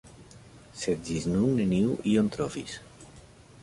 Sed ĝis nun neniu ion trovis.